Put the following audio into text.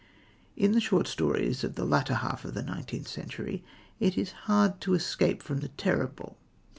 In the short stories of the latter half of the nineteenth century, it is hard to escape from the terrible.